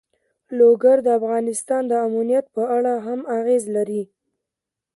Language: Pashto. لوگر د افغانستان د امنیت په اړه هم اغېز لري.